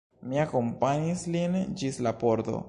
Mi akompanis lin ĝis la pordo.